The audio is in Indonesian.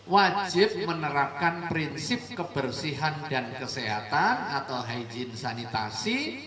wajib menerapkan prinsip kebersihan dan kesehatan atau hijin sanitasi